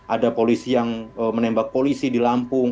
ada polisi yang menembak polisi di lampung